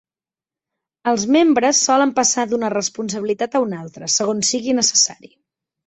Els membres solen passar d'una responsabilitat a una altra, segons sigui necessari.